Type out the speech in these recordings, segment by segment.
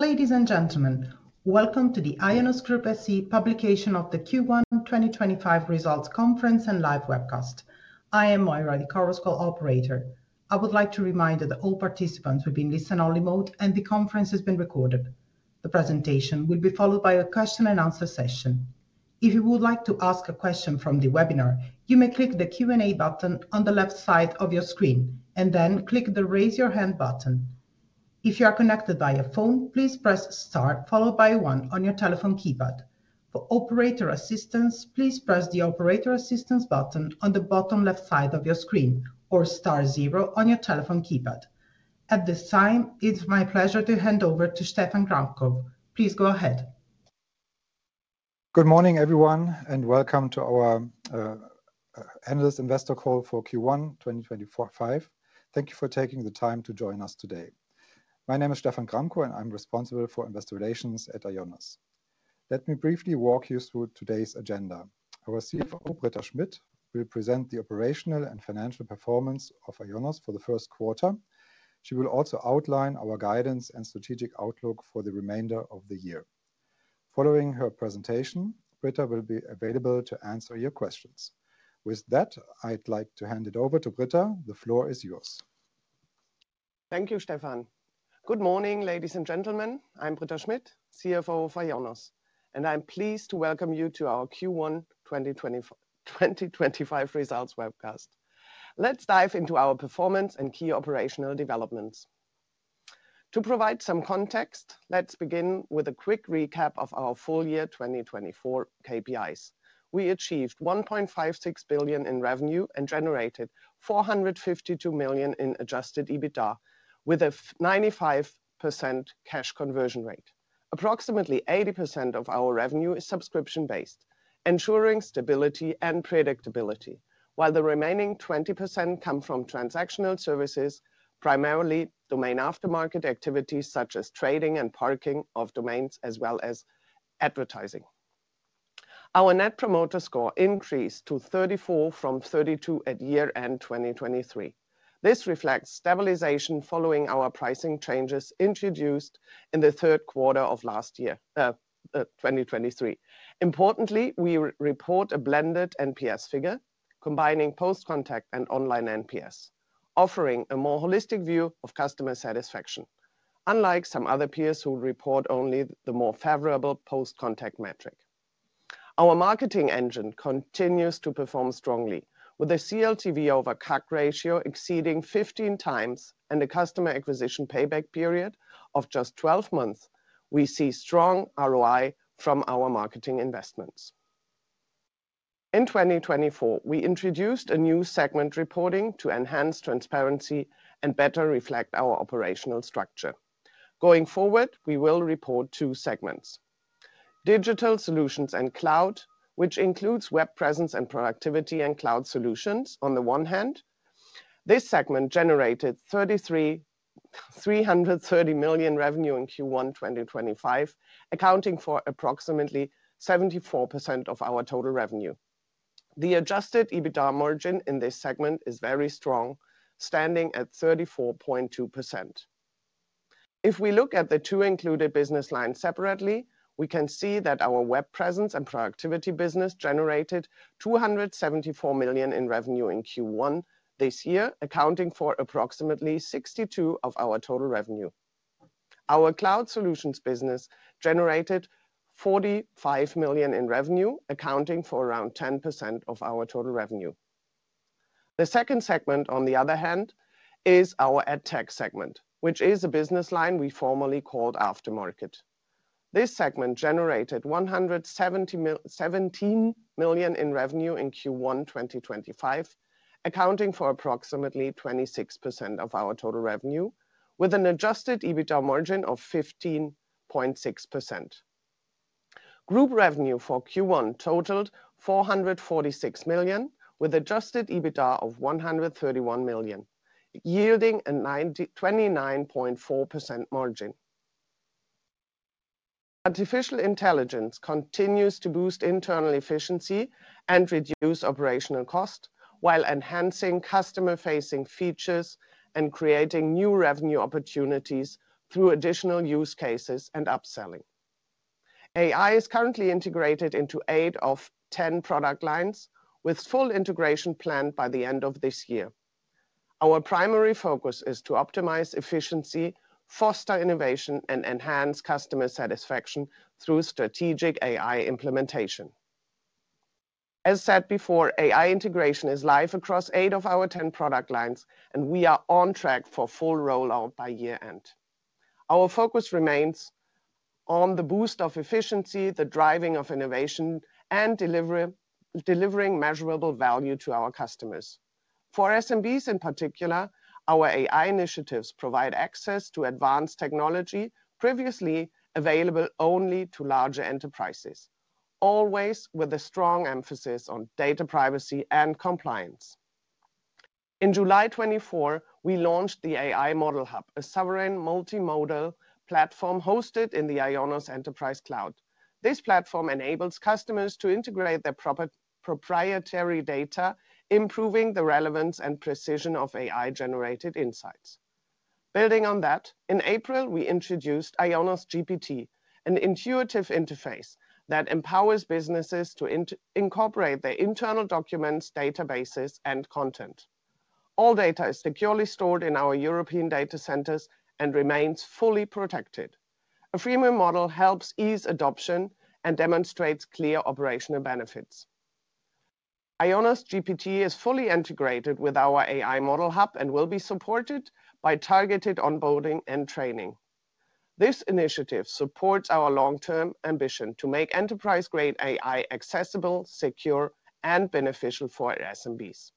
Ladies and gentlemen, welcome to the IONOS Group SE publication of the Q1 2025 results conference and live webcast. I am Moira de Carrasco, operator. I would like to remind that all participants will be in listen-only mode and the conference has been recorded. The presentation will be followed by a question-and-answer session. If you would like to ask a question from the webinar, you may click the Q&A button on the left side of your screen and then click the raise your hand button. If you are connected via phone, please press star followed by one on your telephone keypad. For operator assistance, please press the operator assistance button on the bottom left side of your screen or star zero on your telephone keypad. At this time, it's my pleasure to hand over to Stephan Gramkow. Please go ahead. Good morning, everyone, and welcome to our analyst investor call for Q1 2025. Thank you for taking the time to join us today. My name is Stephan Gramkow, and I'm responsible for investor relations at IONOS. Let me briefly walk you through today's agenda. Our CFO, Britta Schmidt, will present the operational and financial performance of IONOS for the first quarter. She will also outline our guidance and strategic outlook for the remainder of the year. Following her presentation, Britta will be available to answer your questions. With that, I'd like to hand it over to Britta. The floor is yours. Thank you, Stephan. Good morning, ladies and gentlemen. I'm Britta Schmidt, CFO for IONOS, and I'm pleased to welcome you to our Q1 2025 results webcast. Let's dive into our performance and key operational developments. To provide some context, let's begin with a quick recap of our full year 2024 KPIs. We achieved 1.56 billion in revenue and generated 452 million in adjusted EBITDA, with a 95% cash conversion rate. Approximately 80% of our revenue is subscription-based, ensuring stability and predictability, while the remaining 20% come from transactional services, primarily domain aftermarket activities such as trading and parking of domains, as well as advertising. Our net promoter score increased to 34 from 32 at year-end 2023. This reflects stabilization following our pricing changes introduced in the third quarter of last year, 2023. Importantly, we report a blended NPS figure, combining post-contact and online NPS, offering a more holistic view of customer satisfaction, unlike some other peers who report only the more favorable post-contact metric. Our marketing engine continues to perform strongly, with a CLTV over CAC ratio exceeding 15 times and a customer acquisition payback period of just 12 months. We see strong ROI from our marketing investments. In 2024, we introduced a new segment reporting to enhance transparency and better reflect our operational structure. Going forward, we will report two segments: Digital Solutions and Cloud, which includes web presence and productivity and cloud solutions on the one hand. This segment generated 330 million revenue in Q1 2025, accounting for approximately 74% of our total revenue. The adjusted EBITDA margin in this segment is very strong, standing at 34.2%. If we look at the two included business lines separately, we can see that our web presence and productivity business generated 274 million in revenue in Q1 this year, accounting for approximately 62% of our total revenue. Our cloud solutions business generated 45 million in revenue, accounting for around 10% of our total revenue. The second segment, on the other hand, is our ad tech segment, which is a business line we formerly called aftermarket. This segment generated 117 million in revenue in Q1 2025, accounting for approximately 26% of our total revenue, with an adjusted EBITDA margin of 15.6%. Group revenue for Q1 totaled 446 million, with adjusted EBITDA of 131 million, yielding a 29.4% margin. Artificial intelligence continues to boost internal efficiency and reduce operational costs while enhancing customer-facing features and creating new revenue opportunities through additional use cases and upselling. AI is currently integrated into eight of ten product lines, with full integration planned by the end of this year. Our primary focus is to optimize efficiency, foster innovation, and enhance customer satisfaction through strategic AI implementation. As said before, AI integration is live across eight of our ten product lines, and we are on track for full rollout by year-end. Our focus remains on the boost of efficiency, the driving of innovation, and delivering measurable value to our customers. For SMBs in particular, our AI initiatives provide access to advanced technology previously available only to larger enterprises, always with a strong emphasis on data privacy and compliance. In July 2024, we launched the AI Model Hub, a sovereign multimodal platform hosted in the IONOS Enterprise Cloud. This platform enables customers to integrate their proprietary data, improving the relevance and precision of AI-generated insights. Building on that, in April, we introduced IONOS GPT, an intuitive interface that empowers businesses to incorporate their internal documents, databases, and content. All data is securely stored in our European data centers and remains fully protected. A freemium model helps ease adoption and demonstrates clear operational benefits. IONOS GPT is fully integrated with our AI Model Hub and will be supported by targeted onboarding and training. This initiative supports our long-term ambition to make enterprise-grade AI accessible, secure, and beneficial for SMBs.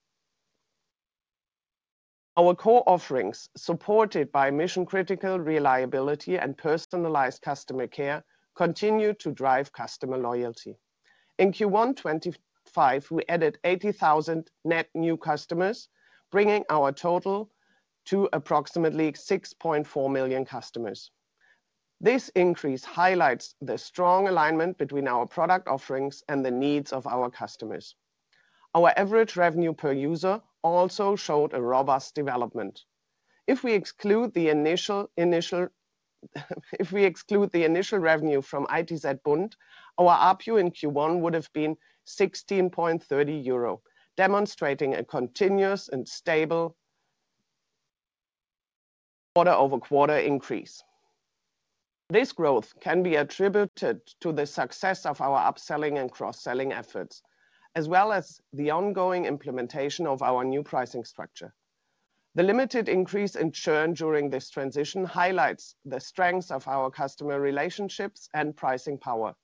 Our core offerings, supported by mission-critical reliability and personalized customer care, continue to drive customer loyalty. In Q1 2025, we added 80,000 net new customers, bringing our total to approximately 6.4 million customers. This increase highlights the strong alignment between our product offerings and the needs of our customers. Our average revenue per user also showed a robust development. If we exclude the initial revenue from ITZBund, our RPU in Q1 would have been 16.30 euro, demonstrating a continuous and stable quarter-over-quarter increase. This growth can be attributed to the success of our upselling and cross-selling efforts, as well as the ongoing implementation of our new pricing structure. The limited increase in churn during this transition highlights the strength of our customer relationships and pricing power.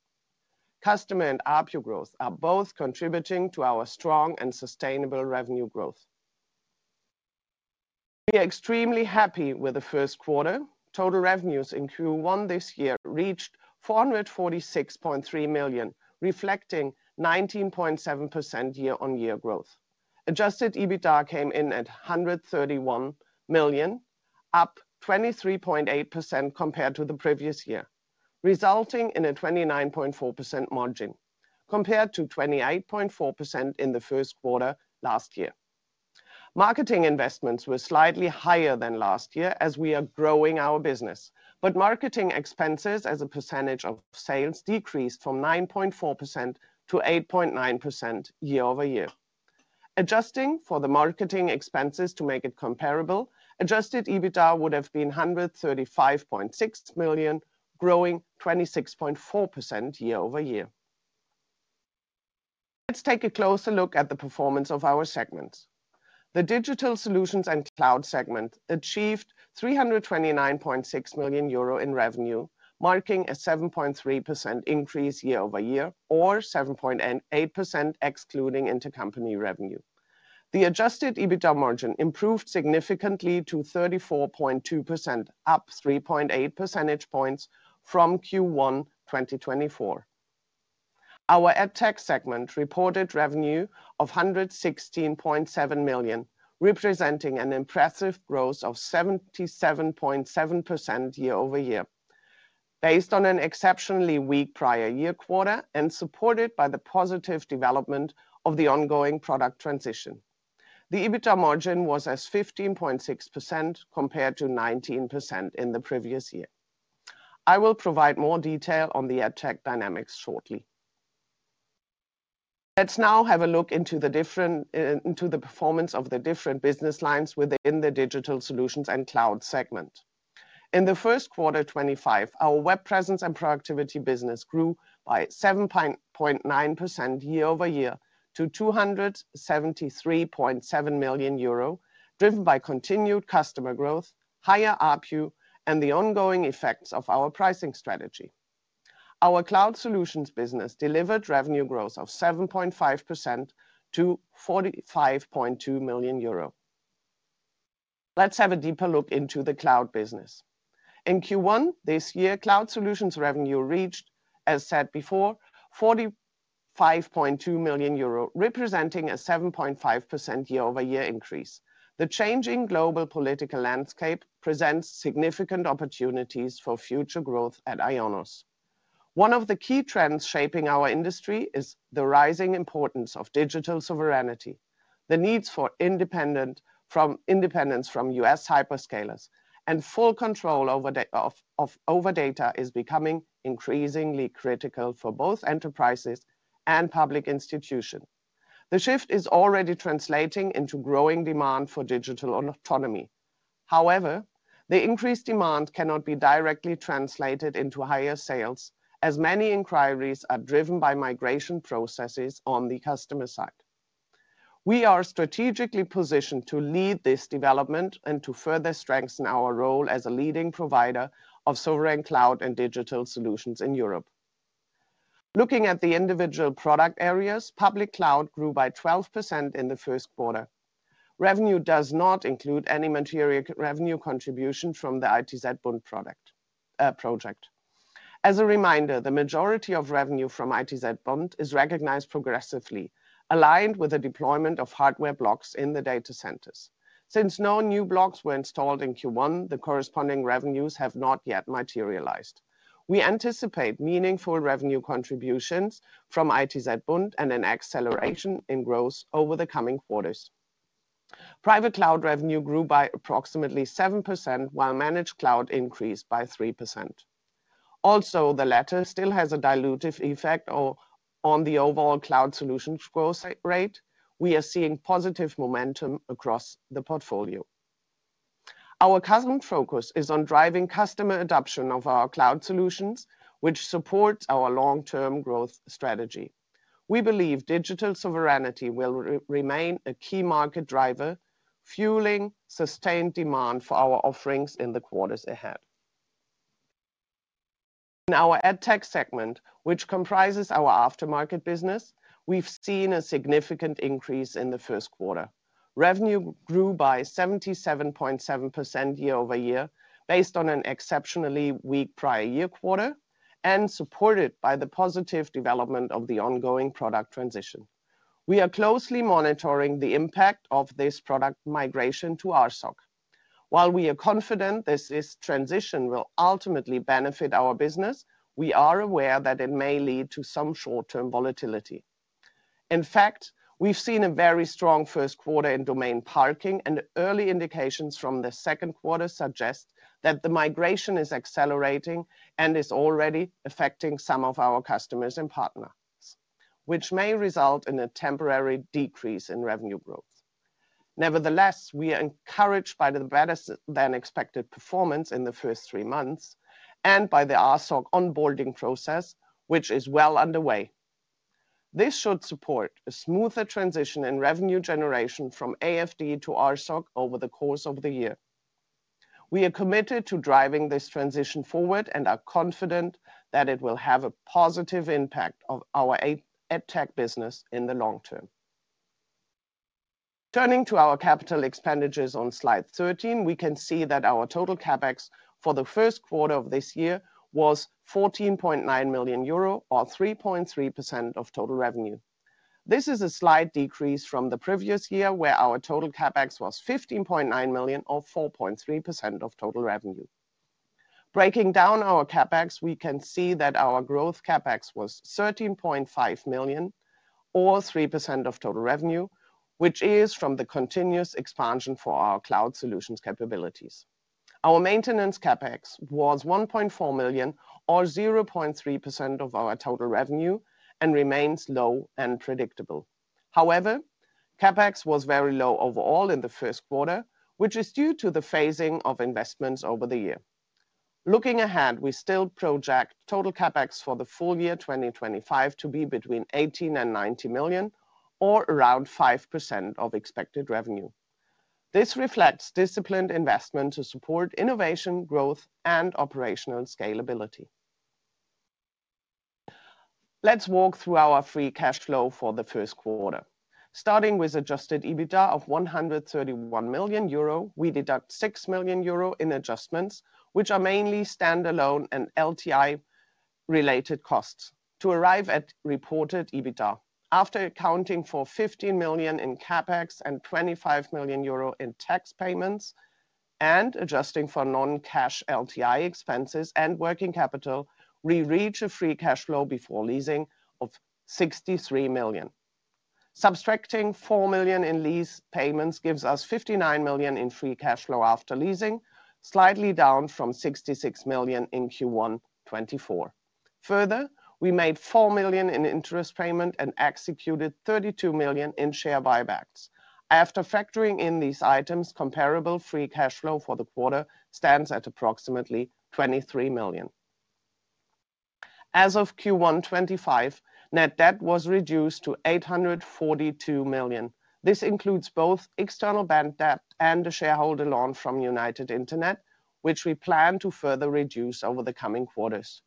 Customer and RPU growth are both contributing to our strong and sustainable revenue growth. We are extremely happy with the first quarter. Total revenues in Q1 this year reached 446.3 million, reflecting 19.7% year-on-year growth. Adjusted EBITDA came in at 131 million, up 23.8% compared to the previous year, resulting in a 29.4% margin, compared to 28.4% in the first quarter last year. Marketing investments were slightly higher than last year as we are growing our business, but marketing expenses as a percentage of sales decreased from 9.4% to 8.9% year-over-year. Adjusting for the marketing expenses to make it comparable, adjusted EBITDA would have been 135.6 million, growing 26.4% year-over-year. Let's take a closer look at the performance of our segments. The Digital Solutions and Cloud segment achieved 329.6 million euro in revenue, marking a 7.3% increase year-over-year, or 7.8% excluding intercompany revenue. The adjusted EBITDA margin improved significantly to 34.2%, up 3.8 percentage points from Q1 2024. Our ad tech segment reported revenue of 116.7 million, representing an impressive growth of 77.7% year-over-year, based on an exceptionally weak prior year quarter and supported by the positive development of the ongoing product transition. The EBITDA margin was at 15.6% compared to 19% in the previous year. I will provide more detail on the ad tech dynamics shortly. Let's now have a look into the performance of the different business lines within the Digital Solutions and Cloud segment. In the first quarter 2025, our web presence and productivity business grew by 7.9% year-over-year to 273.7 million euro, driven by continued customer growth, higher RPU, and the ongoing effects of our pricing strategy. Our cloud solutions business delivered revenue growth of 7.5% to 45.2 million euro. Let's have a deeper look into the cloud business. In Q1 this year, cloud solutions revenue reached, as said before, 45.2 million euro, representing a 7.5% year-over-year increase. The changing global political landscape presents significant opportunities for future growth at IONOS. One of the key trends shaping our industry is the rising importance of digital sovereignty. The needs for independence from U.S. hyperscalers and full control over data is becoming increasingly critical for both enterprises and public institutions. The shift is already translating into growing demand for digital autonomy. However, the increased demand cannot be directly translated into higher sales, as many inquiries are driven by migration processes on the customer side. We are strategically positioned to lead this development and to further strengthen our role as a leading provider of sovereign cloud and digital solutions in Europe. Looking at the individual product areas, public cloud grew by 12% in the first quarter. Revenue does not include any material revenue contribution from the ITZBund project. As a reminder, the majority of revenue from ITZBund is recognized progressively, aligned with the deployment of hardware blocks in the data centers. Since no new blocks were installed in Q1, the corresponding revenues have not yet materialized. We anticipate meaningful revenue contributions from ITZBund and an acceleration in growth over the coming quarters. Private cloud revenue grew by approximately 7%, while managed cloud increased by 3%. Also, the latter still has a dilutive effect on the overall cloud solutions growth rate. We are seeing positive momentum across the portfolio. Our customer focus is on driving customer adoption of our cloud solutions, which supports our long-term growth strategy. We believe digital sovereignty will remain a key market driver, fueling sustained demand for our offerings in the quarters ahead. In our ad tech segment, which comprises our aftermarket business, we've seen a significant increase in the first quarter. Revenue grew by 77.7% year-over-year, based on an exceptionally weak prior year quarter, and supported by the positive development of the ongoing product transition. We are closely monitoring the impact of this product migration to RSoC. While we are confident this transition will ultimately benefit our business, we are aware that it may lead to some short-term volatility. In fact, we've seen a very strong first quarter in domain parking, and early indications from the second quarter suggest that the migration is accelerating and is already affecting some of our customers and partners, which may result in a temporary decrease in revenue growth. Nevertheless, we are encouraged by the better-than-expected performance in the first three months and by the RSoC onboarding process, which is well underway. This should support a smoother transition in revenue generation from AFD to RSoC over the course of the year. We are committed to driving this transition forward and are confident that it will have a positive impact on our ad tech business in the long term. Turning to our capital expenditures on slide 13, we can see that our total CapEx for the first quarter of this year was 14.9 million euro, or 3.3% of total revenue. This is a slight decrease from the previous year, where our total CapEx was 15.9 million, or 4.3% of total revenue. Breaking down our CapEx, we can see that our growth CapEx was 13.5 million, or 3% of total revenue, which is from the continuous expansion for our cloud solutions capabilities. Our maintenance CapEx was 1.4 million, or 0.3% of our total revenue, and remains low and predictable. However, CapEx was very low overall in the first quarter, which is due to the phasing of investments over the year. Looking ahead, we still project total CapEx for the full year 2025 to be between 18 million and 90 million, or around 5% of expected revenue. This reflects disciplined investment to support innovation, growth, and operational scalability. Let's walk through our free cash flow for the first quarter. Starting with adjusted EBITDA of 131 million euro, we deduct 6 million euro in adjustments, which are mainly standalone and LTI-related costs, to arrive at reported EBITDA. After accounting for 15 million in CapEx and 25 million euro in tax payments, and adjusting for non-cash LTI expenses and working capital, we reach a free cash flow before leasing of 63 million. Subtracting 4 million in lease payments gives us 59 million in free cash flow after leasing, slightly down from 66 million in Q1 2024. Further, we made 4 million in interest payment and executed 32 million in share buybacks. After factoring in these items, comparable free cash flow for the quarter stands at approximately 23 million. As of Q1 2025, net debt was reduced to 842 million. This includes both external bank debt and the shareholder loan from United Internet, which we plan to further reduce over the coming quarters.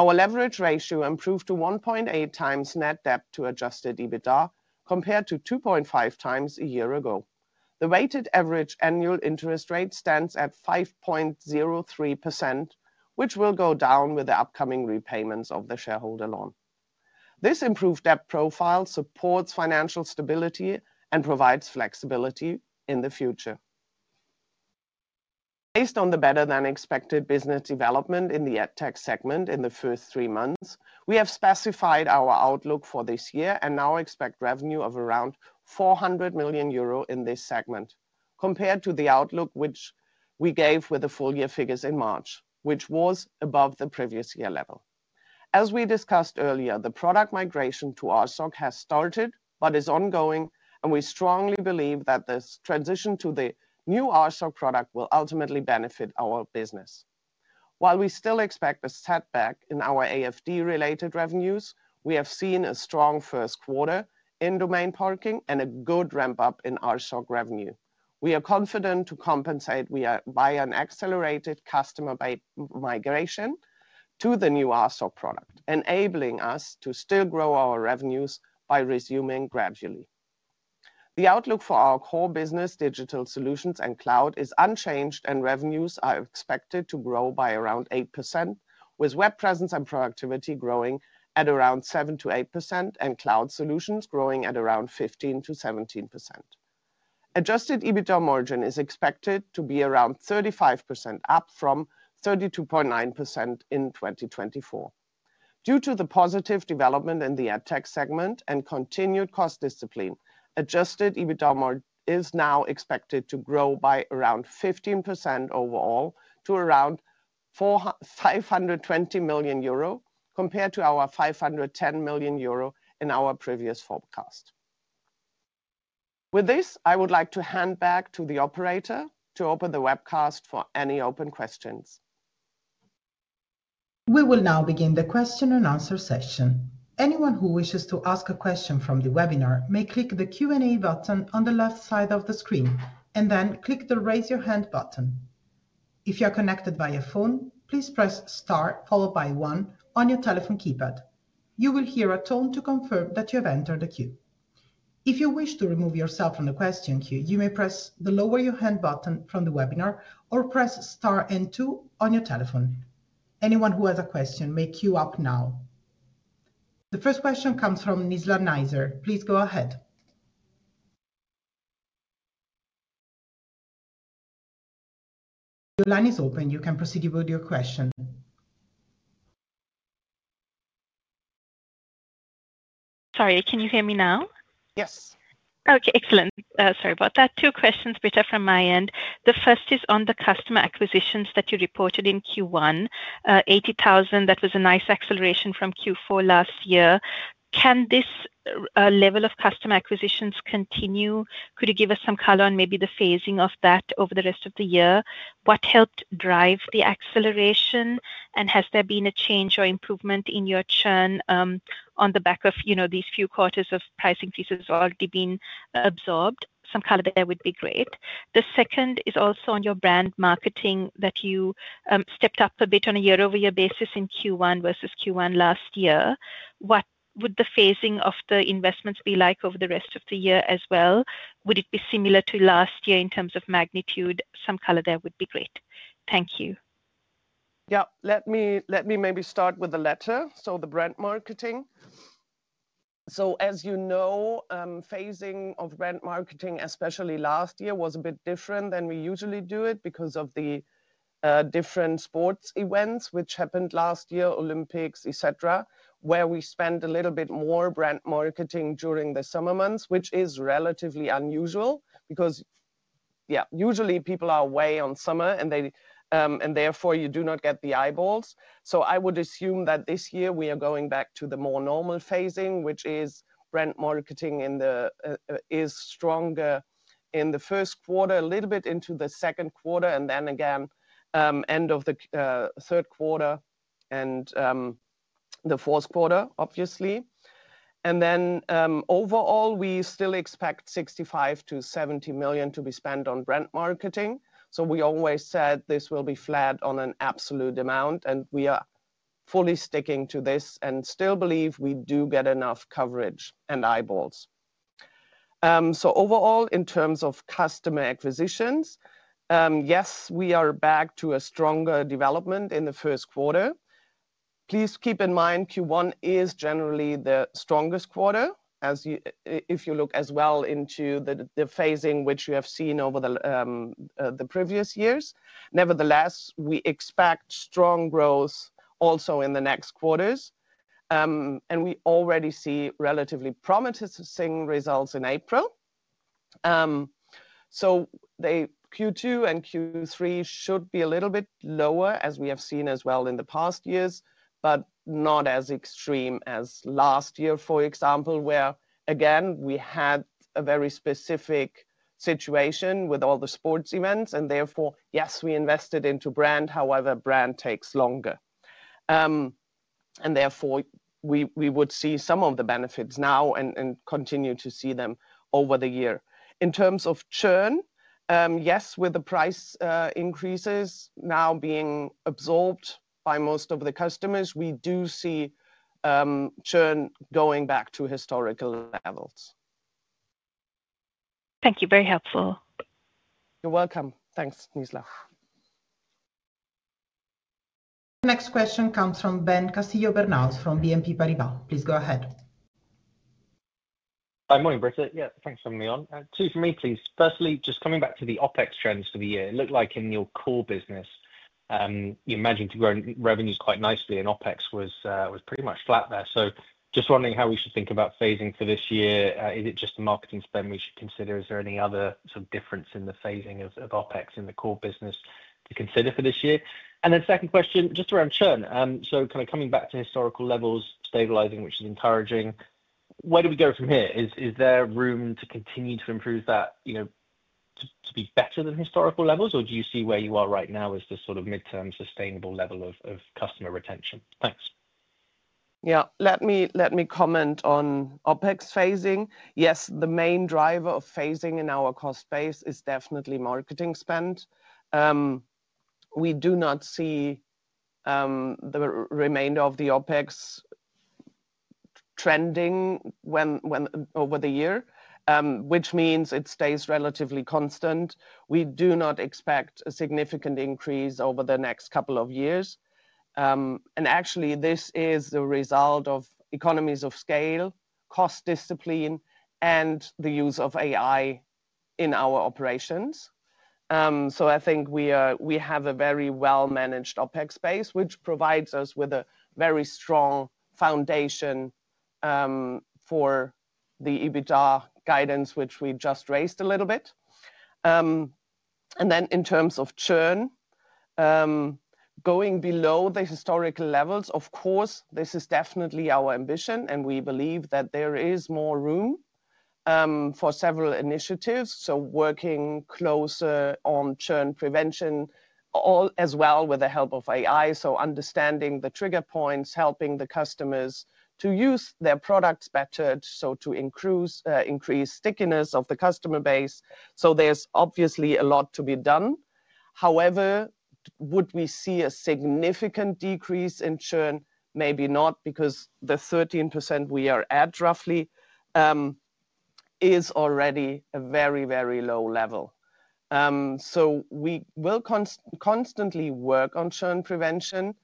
Our leverage ratio improved to 1.8 times net debt to adjusted EBITDA, compared to 2.5 times a year ago. The weighted average annual interest rate stands at 5.03%, which will go down with the upcoming repayments of the shareholder loan. This improved debt profile supports financial stability and provides flexibility in the future. Based on the better-than-expected business development in the ad tech segment in the first three months, we have specified our outlook for this year and now expect revenue of around 400 million euro in this segment, compared to the outlook which we gave with the full year figures in March, which was above the previous year level. As we discussed earlier, the product migration to RSoC has started but is ongoing, and we strongly believe that this transition to the new RSoC product will ultimately benefit our business. While we still expect a setback in our AFD-related revenues, we have seen a strong first quarter in domain parking and a good ramp-up in RSoC revenue. We are confident to compensate by an accelerated customer migration to the new RSoC product, enabling us to still grow our revenues by resuming gradually. The outlook for our core business, digital solutions and cloud, is unchanged, and revenues are expected to grow by around 8%, with web presence and productivity growing at around 7%-8% and cloud solutions growing at around 15%-17%. Adjusted EBITDA margin is expected to be around 35%, up from 32.9% in 2024. Due to the positive development in the ad tech segment and continued cost discipline, adjusted EBITDA is now expected to grow by around 15% overall to around 520 million euro, compared to our 510 million euro in our previous forecast. With this, I would like to hand back to the operator to open the webcast for any open questions. We will now begin the question and answer session. Anyone who wishes to ask a question from the webinar may click the Q&A button on the left side of the screen and then click the Raise Your Hand button. If you are connected via phone, please press Star, followed by 1, on your telephone keypad. You will hear a tone to confirm that you have entered the queue. If you wish to remove yourself from the question queue, you may press the Lower Your Hand button from the webinar or press Star and 2 on your telephone. Anyone who has a question may queue up now. The first question comes from Nisla Neiser. Please go ahead. Your line is open. You can proceed with your question. Sorry, can you hear me now? Yes. Okay, excellent. Sorry about that. Two questions, Britta, from my end. The first is on the customer acquisitions that you reported in Q1, 80,000. That was a nice acceleration from Q4 last year. Can this level of customer acquisitions continue? Could you give us some color on maybe the phasing of that over the rest of the year? What helped drive the acceleration, and has there been a change or improvement in your churn on the back of these few quarters of pricing fees that have already been absorbed? Some color there would be great. The second is also on your brand marketing that you stepped up a bit on a year-over-year basis in Q1 versus Q1 last year. What would the phasing of the investments be like over the rest of the year as well? Would it be similar to last year in terms of magnitude? Some color there would be great. Thank you. Yeah, let me maybe start with the latter, so the brand marketing. As you know, phasing of brand marketing, especially last year, was a bit different than we usually do it because of the different sports events which happened last year, Olympics, etc., where we spent a little bit more brand marketing during the summer months, which is relatively unusual because, yeah, usually people are away in summer, and therefore you do not get the eyeballs. I would assume that this year we are going back to the more normal phasing, which is brand marketing is stronger in the first quarter, a little bit into the second quarter, and then again end of the third quarter and the fourth quarter, obviously. Overall, we still expect 65 million to 70 million to be spent on brand marketing. We always said this will be flat on an absolute amount, and we are fully sticking to this and still believe we do get enough coverage and eyeballs. Overall, in terms of customer acquisitions, yes, we are back to a stronger development in the first quarter. Please keep in mind Q1 is generally the strongest quarter if you look as well into the phasing which you have seen over the previous years. Nevertheless, we expect strong growth also in the next quarters, and we already see relatively promising results in April. Q2 and Q3 should be a little bit lower, as we have seen as well in the past years, but not as extreme as last year, for example, where, again, we had a very specific situation with all the sports events, and therefore, yes, we invested into brand. However, brand takes longer, and therefore we would see some of the benefits now and continue to see them over the year. In terms of churn, yes, with the price increases now being absorbed by most of the customers, we do see churn going back to historical levels. Thank you. Very helpful. You're welcome. Thanks, Nisla. The next question comes from Ben Castillo Bernals from BNP Paribas. Please go ahead. Hi, morning, Britta. Yeah, thanks for having me on. Two for me, please. Firstly, just coming back to the OpEx trends for the year, it looked like in your core business, you imagined revenues quite nicely, and OpEx was pretty much flat there. So just wondering how we should think about phasing for this year. Is it just the marketing spend we should consider? Is there any other sort of difference in the phasing of OpEx in the core business to consider for this year? The second question, just around churn. Kind of coming back to historical levels, stabilizing, which is encouraging. Where do we go from here? Is there room to continue to improve that to be better than historical levels, or do you see where you are right now as the sort of midterm sustainable level of customer retention? Thanks. Yeah, let me comment on OpEx phasing. Yes, the main driver of phasing in our cost base is definitely marketing spend. We do not see the remainder of the OpEx trending over the year, which means it stays relatively constant. We do not expect a significant increase over the next couple of years. This is the result of economies of scale, cost discipline, and the use of AI in our operations. I think we have a very well-managed OpEx base, which provides us with a very strong foundation for the EBITDA guidance, which we just raised a little bit. In terms of churn, going below the historical levels, this is definitely our ambition, and we believe that there is more room for several initiatives. Working closer on churn prevention, as well with the help of AI, understanding the trigger points, helping the customers to use their products better, to increase stickiness of the customer base. There is obviously a lot to be done. However, would we see a significant decrease in churn? Maybe not, because the 13% we are at roughly is already a very, very low level. We will constantly work on churn prevention,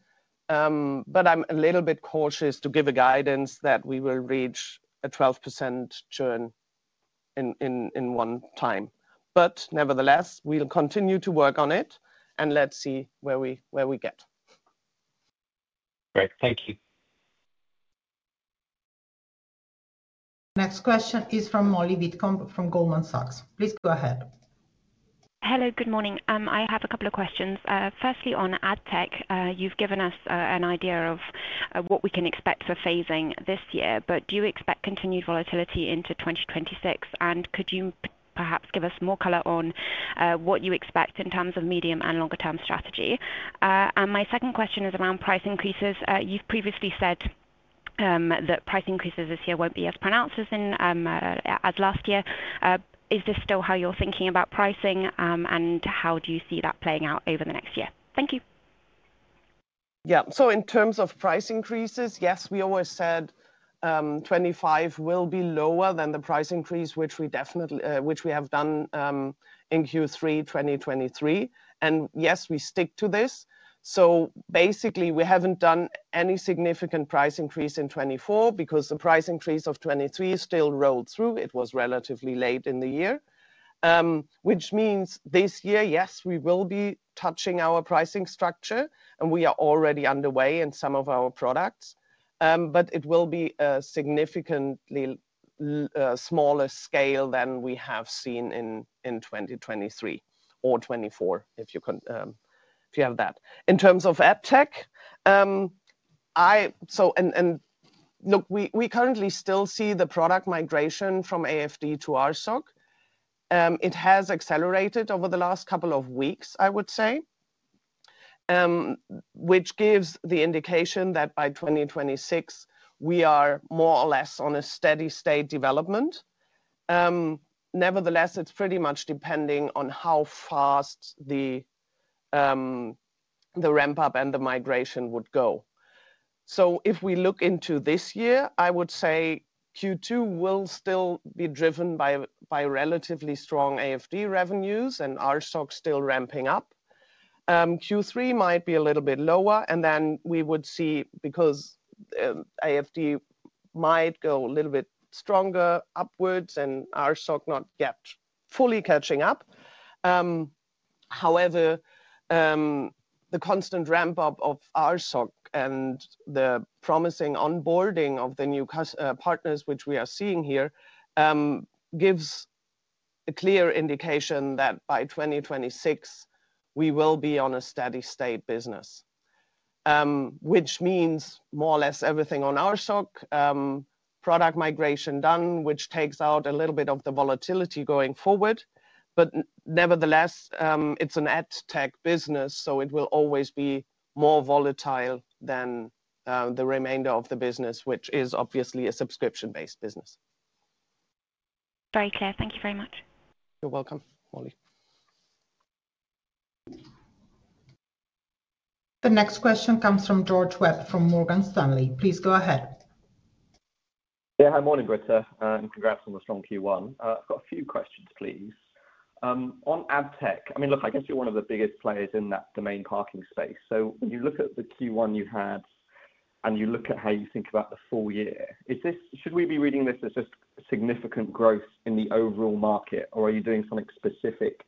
but I'm a little bit cautious to give a guidance that we will reach a 12% churn in one time. Nevertheless, we'll continue to work on it, and let's see where we get. Great. Thank you. The next question is from Molly Whitcomb from Goldman Sachs. Please go ahead. Hello, good morning. I have a couple of questions. Firstly, on ad tech, you've given us an idea of what we can expect for phasing this year, but do you expect continued volatility into 2026? Could you perhaps give us more color on what you expect in terms of medium and longer-term strategy? My second question is around price increases. You've previously said that price increases this year won't be as pronounced as last year. Is this still how you're thinking about pricing, and how do you see that playing out over the next year? Thank you. Yeah, so in terms of price increases, yes, we always said 2025 will be lower than the price increase, which we have done in Q3 2023. And yes, we stick to this. So basically, we haven't done any significant price increase in 2024 because the price increase of 2023 still rolled through. It was relatively late in the year, which means this year, yes, we will be touching our pricing structure, and we are already underway in some of our products, but it will be a significantly smaller scale than we have seen in 2023 or 2024, if you have that. In terms of ad tech, so look, we currently still see the product migration from AFD to RSoC. It has accelerated over the last couple of weeks, I would say, which gives the indication that by 2026, we are more or less on a steady-state development. Nevertheless, it is pretty much depending on how fast the ramp-up and the migration would go. If we look into this year, I would say Q2 will still be driven by relatively strong AFD revenues and RSoC still ramping up. Q3 might be a little bit lower, and then we would see, because AFD might go a little bit stronger upwards and RSoC not yet fully catching up. However, the constant ramp-up of RSoC and the promising onboarding of the new partners, which we are seeing here, gives a clear indication that by 2026, we will be on a steady-state business, which means more or less everything on RSoC, product migration done, which takes out a little bit of the volatility going forward. Nevertheless, it's an ad tech business, so it will always be more volatile than the remainder of the business, which is obviously a subscription-based business. Very clear. Thank you very much. You're welcome, Molly. The next question comes from George Webb from Morgan Stanley. Please go ahead. Yeah, hi morning, Britta. Congrats on the strong Q1. I've got a few questions, please. On ad tech, I mean, look, I guess you're one of the biggest players in the main parking space. When you look at the Q1 you had and you look at how you think about the full year, should we be reading this as just significant growth in the overall market, or are you doing something specific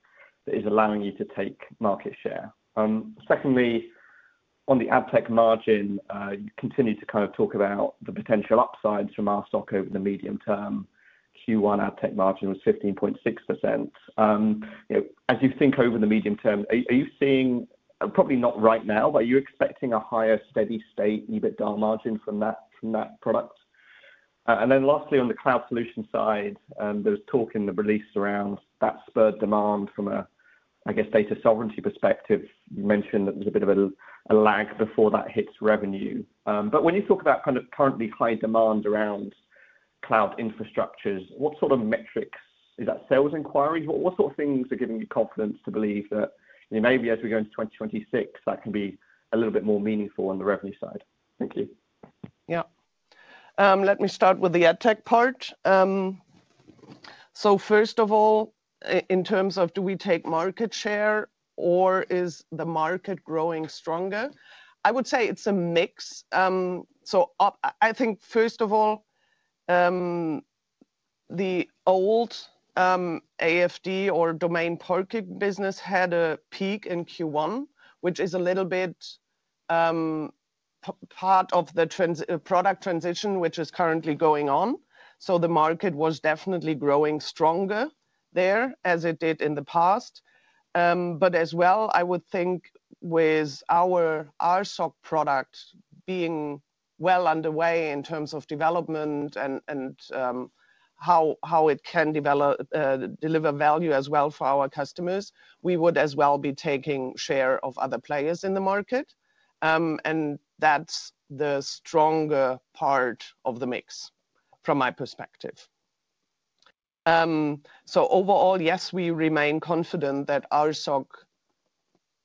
that is allowing you to take market share? Secondly, on the ad tech margin, you continue to kind of talk about the potential upsides from RSoC over the medium term. Q1 ad tech margin was 15.6%. As you think over the medium term, are you seeing, probably not right now, but are you expecting a higher steady-state EBITDA margin from that product? Lastly, on the cloud solution side, there was talk in the release around that spurred demand from a, I guess, data sovereignty perspective. You mentioned that there is a bit of a lag before that hits revenue. When you talk about kind of currently high demand around cloud infrastructures, what sort of metrics? Is that sales inquiries? What sort of things are giving you confidence to believe that maybe as we go into 2026, that can be a little bit more meaningful on the revenue side? Thank you. Yeah. Let me start with the ad tech part. First of all, in terms of do we take market share or is the market growing stronger? I would say it's a mix. I think first of all, the old AFD or domain parking business had a peak in Q1, which is a little bit part of the product transition which is currently going on. The market was definitely growing stronger there as it did in the past. As well, I would think with our RSoC product being well underway in terms of development and how it can deliver value as well for our customers, we would as well be taking share of other players in the market. That is the stronger part of the mix from my perspective. Overall, yes, we remain confident that RSoC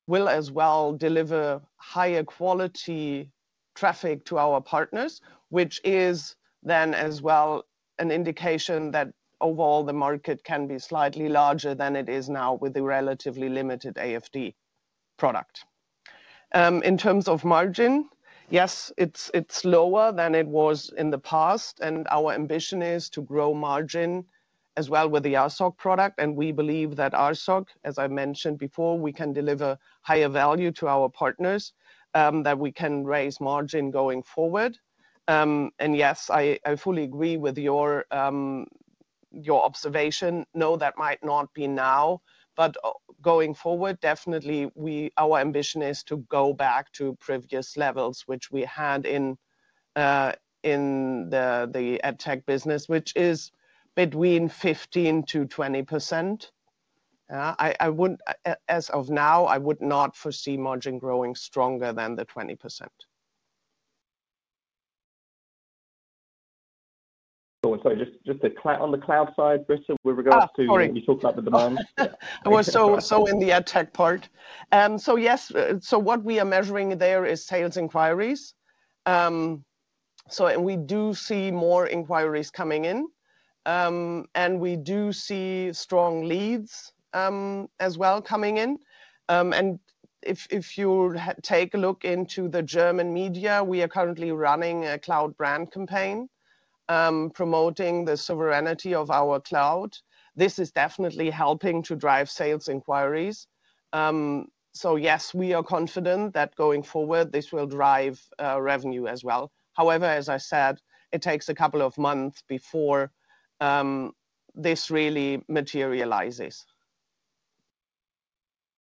will as well deliver higher quality traffic to our partners, which is then as well an indication that overall the market can be slightly larger than it is now with the relatively limited AFD product. In terms of margin, yes, it is lower than it was in the past, and our ambition is to grow margin as well with the RSoC product. We believe that RSoC, as I mentioned before, we can deliver higher value to our partners, that we can raise margin going forward. Yes, I fully agree with your observation. No, that might not be now, but going forward, definitely our ambition is to go back to previous levels, which we had in the ad tech business, which is between 15% to 20%. As of now, I would not foresee margin growing stronger than the 20%. Sorry, just on the cloud side, Britta, with regards to when you talk about the demand. In the ad tech part, yes, what we are measuring there is sales inquiries. We do see more inquiries coming in, and we do see strong leads as well coming in. If you take a look into the German media, we are currently running a cloud brand campaign promoting the sovereignty of our cloud. This is definitely helping to drive sales inquiries. Yes, we are confident that going forward, this will drive revenue as well. However, as I said, it takes a couple of months before this really materializes.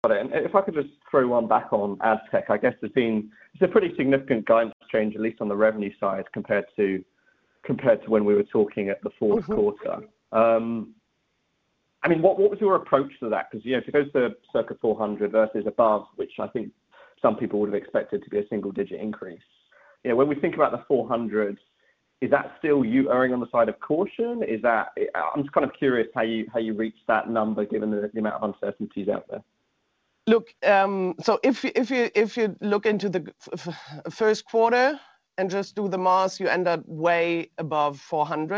Got it. If I could just throw one back on ad tech, I guess it is a pretty significant guidance change, at least on the revenue side compared to when we were talking at the fourth quarter. I mean, what was your approach to that? Because if it goes to circa 400 million versus above, which I think some people would have expected to be a single-digit increase, when we think about the 400 million, is that still you erring on the side of caution? I am just kind of curious how you reached that number given the amount of uncertainties out there. Look, if you look into the first quarter and just do the math, you end up way above 400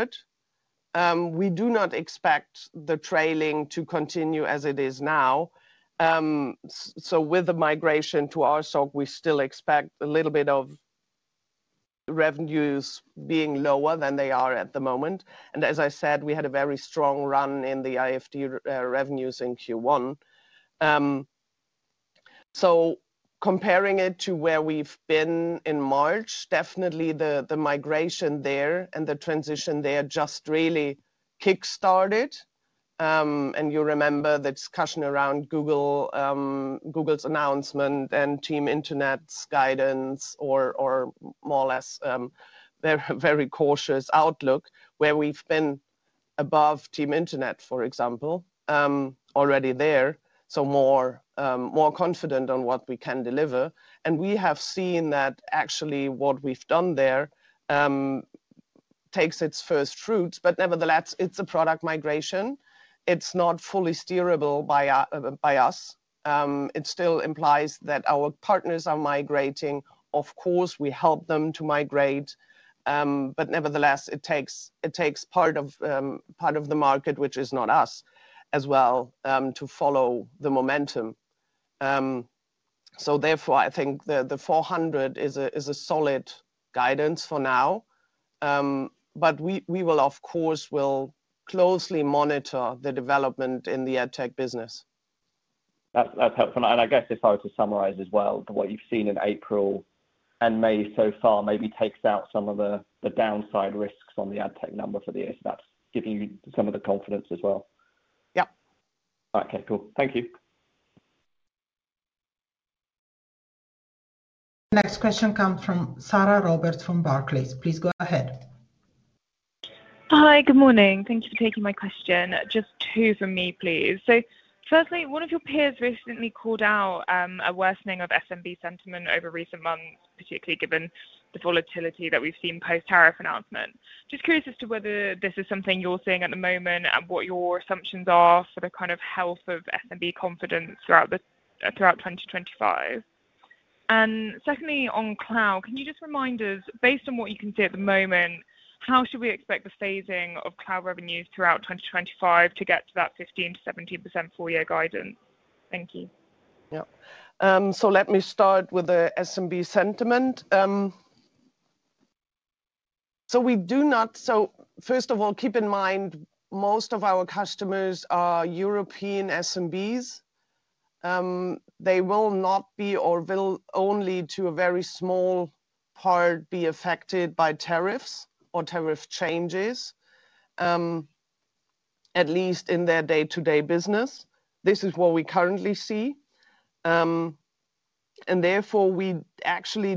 million. We do not expect the trailing to continue as it is now. With the migration to RSoC, we still expect a little bit of revenues being lower than they are at the moment. As I said, we had a very strong run in the IFD revenues in Q1. Comparing it to where we've been in March, definitely the migration there and the transition there just really kickstarted. You remember the discussion around Google's announcement and Team Internet's guidance or more or less a very cautious outlook where we've been above Team Internet, for example, already there. More confident on what we can deliver. We have seen that actually what we've done there takes its first fruits. Nevertheless, it's a product migration. It's not fully steerable by us. It still implies that our partners are migrating. Of course, we help them to migrate. Nevertheless, it takes part of the market, which is not us, as well to follow the momentum. Therefore, I think the 400 is a solid guidance for now. We will, of course, closely monitor the development in the ad tech business. That's helpful. I guess if I were to summarize as well, what you've seen in April and May so far maybe takes out some of the downside risks on the ad tech number for the year. That's giving you some of the confidence as well. Yep. All right. Okay. Cool. Thank you. The next question comes from Sarah Roberts from Barclays. Please go ahead. Hi, good morning. Thank you for taking my question. Just two from me, please. Firstly, one of your peers recently called out a worsening of SMB sentiment over recent months, particularly given the volatility that we've seen post-tariff announcement. Just curious as to whether this is something you're seeing at the moment and what your assumptions are for the kind of health of SMB confidence throughout 2025. Secondly, on cloud, can you just remind us, based on what you can see at the moment, how should we expect the phasing of cloud revenues throughout 2025 to get to that 15% to 17% full-year guidance? Thank you. Yep. Let me start with the SMB sentiment. First of all, keep in mind most of our customers are European SMBs. They will not be or will only to a very small part be affected by tariffs or tariff changes, at least in their day-to-day business. This is what we currently see. Therefore, we actually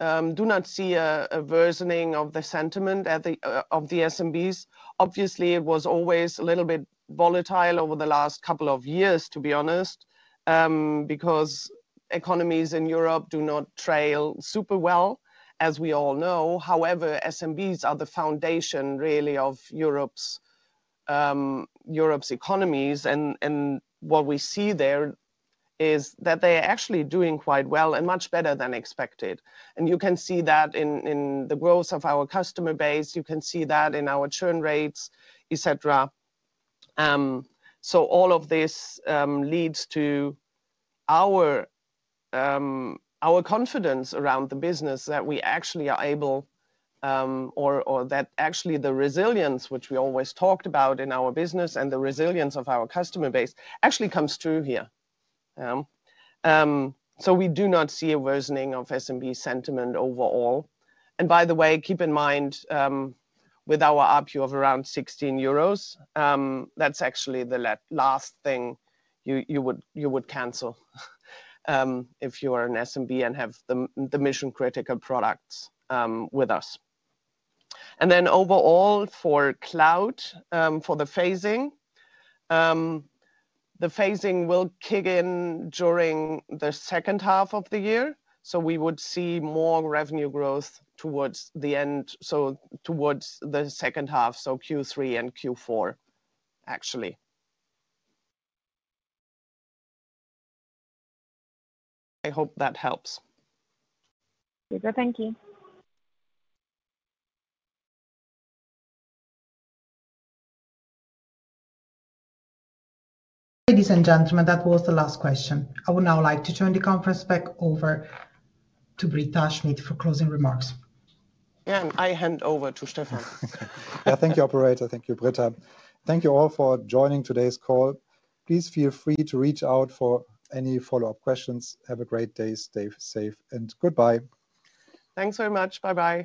do not see a worsening of the sentiment of the SMBs. Obviously, it was always a little bit volatile over the last couple of years, to be honest, because economies in Europe do not trail super well, as we all know. However, SMBs are the foundation really of Europe's economies. What we see there is that they are actually doing quite well and much better than expected. You can see that in the growth of our customer base. You can see that in our churn rates, etc. All of this leads to our confidence around the business that we actually are able or that actually the resilience, which we always talked about in our business and the resilience of our customer base actually comes through here. We do not see a worsening of SMB sentiment overall. By the way, keep in mind with our RPU of around 16 euros, that's actually the last thing you would cancel if you are an SMB and have the mission-critical products with us. Overall for cloud, for the phasing, the phasing will kick in during the second half of the year. We would see more revenue growth towards the end, towards the second half, so Q3 and Q4, actually. I hope that helps. Thank you. Ladies and gentlemen, that was the last question. I would now like to turn the conference back over to Britta Schmidt for closing remarks. I hand over to Stephan. Thank you, Operator. Thank you, Britta. Thank you all for joining today's call. Please feel free to reach out for any follow-up questions. Have a great day, stay safe, and goodbye. Thanks very much. Bye-bye.